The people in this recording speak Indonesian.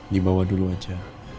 dibawa dulu aja